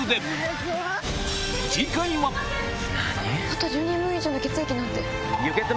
あと１０人分以上の血液なんて。